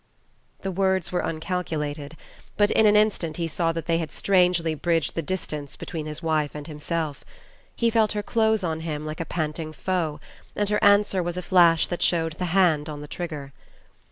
The words were uncalculated; but in an instant he saw that they had strangely bridged the distance between his wife and himself. He felt her close on him, like a panting foe; and her answer was a flash that showed the hand on the trigger.